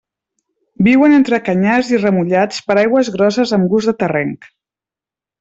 Viuen entre canyars i remullats per aigües grosses amb gust de terrenc.